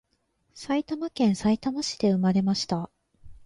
埼玉県さいたま市で産まれました